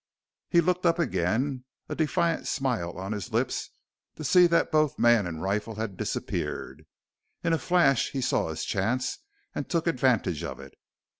He looked up again, a defiant smile on his lips, to see that both man and rifle had disappeared. In a flash he saw his chance and took advantage of it.